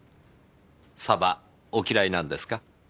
サバお嫌いなんですか？